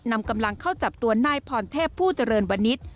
นำกำลังเข้าจับตัวนายพรเทพผู้เจริญวนิษฐ์